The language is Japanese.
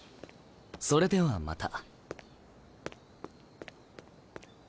それではまた。